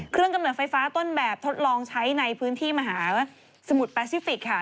กำเนิดไฟฟ้าต้นแบบทดลองใช้ในพื้นที่มหาสมุทรแปซิฟิกค่ะ